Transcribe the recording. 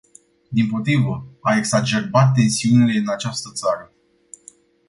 Dimpotrivă, a exacerbat tensiunile din această țară.